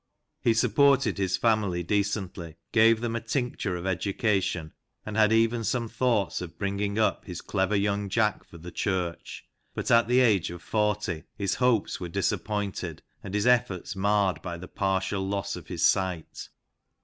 He supported his family decently, gave them a tincture of education, and had even some thoughts of bringing up his clever young Jack for the Church, but at the age of 40 his hopes were disappointed and his efforts marred by the partial loss of his sight.